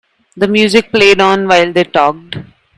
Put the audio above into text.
The music played on while they talked.